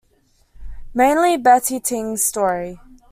Mainly Betty Ting's story.